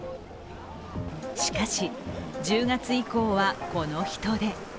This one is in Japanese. しかし１０月以降はこの人出。